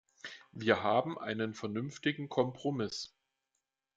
Wir haben einen vernünftigen Kompromiss.